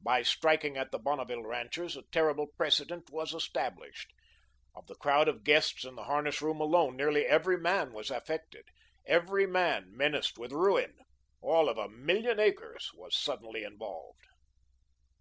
By striking at the Bonneville ranchers a terrible precedent was established. Of the crowd of guests in the harness room alone, nearly every man was affected, every man menaced with ruin. All of a million acres was suddenly involved.